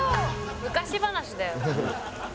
「昔話だよ」